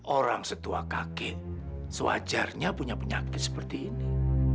orang setua kakek sewajarnya punya penyakit seperti ini